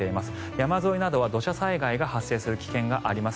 山沿いなどは土砂災害が発生する危険があります。